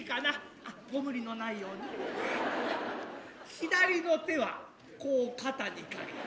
左の手はこう肩に掛けて。